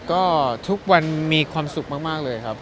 ก็ทุกวันมีความสุขมากเลยครับ